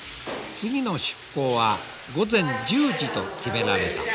次の出港は午前１０時と決められた。